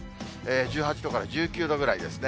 １８度から１９度ぐらいですね。